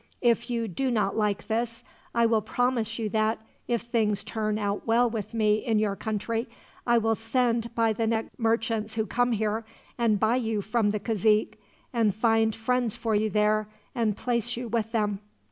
If you do not like this, I will promise you that, if things turn out well with me in your country, I will send by the next merchants who come here, and buy you from the cazique, and find friends for you there, and place you with them."